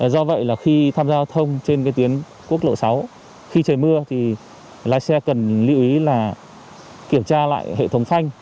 do vậy là khi tham gia giao thông trên cái tuyến quốc lộ sáu khi trời mưa thì lái xe cần lưu ý là kiểm tra lại hệ thống phanh